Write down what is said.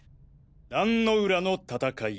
壇ノ浦の戦い。